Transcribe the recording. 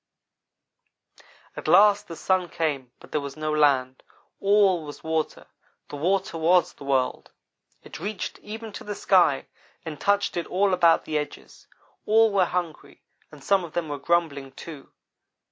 "At last the sun came but there was no land. All was water. The water was the world. It reached even to the sky and touched it all about the edges. All were hungry, and some of them were grumbling, too.